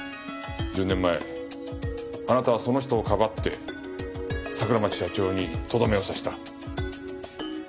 １０年前あなたはその人をかばって桜町社長にとどめを刺した。